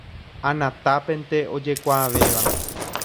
Anatápente ojekuaavéva.